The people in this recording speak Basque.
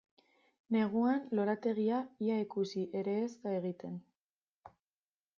Neguan lorategia ia ikusi ere e da egiten.